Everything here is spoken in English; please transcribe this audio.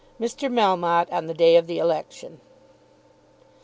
MR. MELMOTTE ON THE DAY OF THE ELECTION.